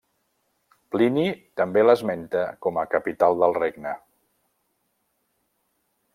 Plini també l'esmenta com a capital del regne.